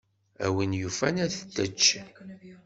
A win yufan ad tečč.